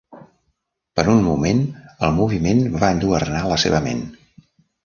Per un moment, el moviment va enlluernar la seva ment.